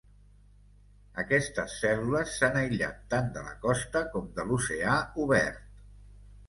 Aquestes cèl·lules s'han aïllat tant de la costa com de l'oceà obert.